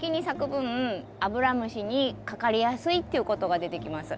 分アブラムシにかかりやすいっていうことが出てきます。